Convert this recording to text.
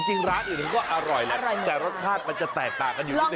จริงร้านอื่นมันก็อร่อยแหละแต่รสชาติมันจะแตกต่างกันอยู่นิดน